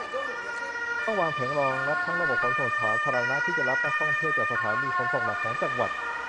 ต้องวางแผนรองรับ ทั้งระบบขนส่งสาธารณะ ที่จะรับนักท่องเที่ยวจากสถานีขนส่งหลักของจังหวัด